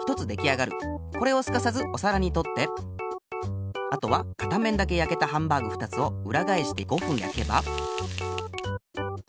これをすかさずおさらにとってあとは片面だけやけたハンバーグ２つをうらがえして５ふんやけば。